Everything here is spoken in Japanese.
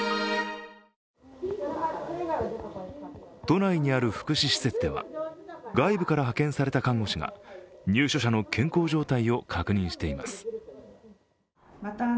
都内にある福祉施設では外部から派遣された看護師が入所者の健康状態を確認しています。